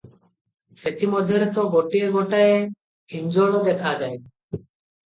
ସେଥି ମଧ୍ୟରେ ତ ଗୋଟାଏ ଗୋଟାଏ ହିଞ୍ଜଳ ଦେଖାଯାଏ ।